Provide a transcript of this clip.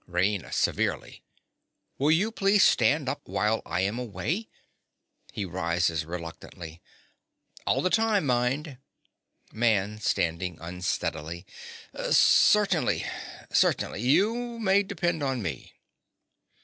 RAINA. (severely). Will you please stand up while I am away. (He rises reluctantly.) All the time, mind. MAN. (standing unsteadily). Certainly—certainly: you may depend on me.